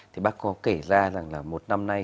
thì bác có kể ra rằng là một năm nay